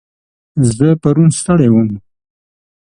زه پرون ستړی وم.